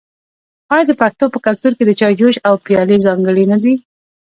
آیا د پښتنو په کلتور کې د چای جوش او پیالې ځانګړي نه دي؟